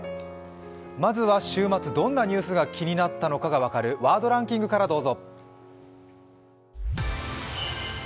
まずは週末、どんなニュースが気になったのかが分かるワードランキングからどうぞ。